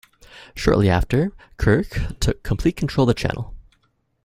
Shortly after, Kirch took complete control of the channel.